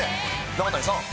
永谷さん。